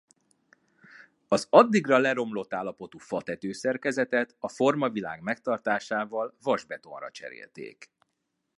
Az addigra leromlott állapotú fa tetőszerkezetet a formavilág megtartásával vasbetonra cserélték.